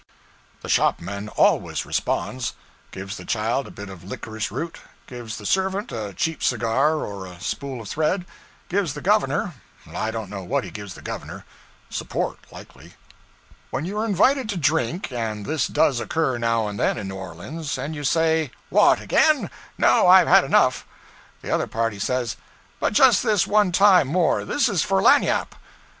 The shopman always responds; gives the child a bit of licorice root, gives the servant a cheap cigar or a spool of thread, gives the governor I don't know what he gives the governor; support, likely. When you are invited to drink, and this does occur now and then in New Orleans and you say, 'What, again? no, I've had enough;' the other party says, 'But just this one time more this is for lagniappe.'